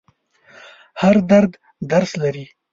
هر درد درس لري.